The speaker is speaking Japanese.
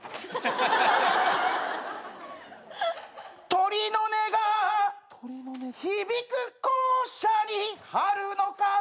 「鳥の音が響く校舎に春の風」